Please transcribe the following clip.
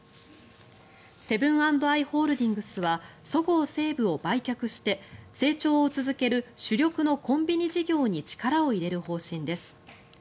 セブン＆アイ・ホールディングスはそごう・西武を売却して成長を続ける主力のコンビニ事業に力を入れる方針です。